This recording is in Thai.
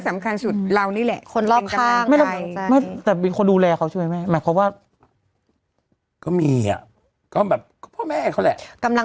กำลังใจดีมั้ยดีกว่าถามพี่มานี่ดีกว่า